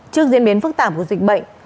trước diễn biến phức tạp của dịch bệnh